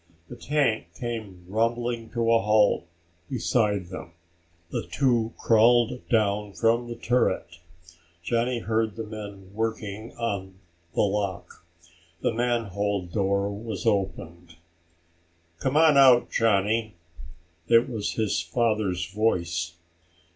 The tank came rumbling to a halt beside them. The two crawled down from the turret. Johnny heard the men working on the lock. The manhole door was opened. "Come on out, Johnny." It was his father's voice.